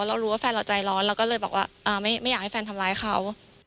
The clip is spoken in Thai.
เรารู้ว่าแฟนเราใจร้อนเราก็เลยบอกว่าไม่อยากให้แฟนทำร้ายเขา